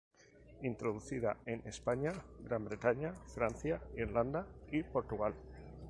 Introducida en España, Gran Bretaña, Francia, Irlanda y Portugal.